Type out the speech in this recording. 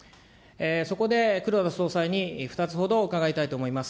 そこで黒田総裁に２つほど伺いたいと思います。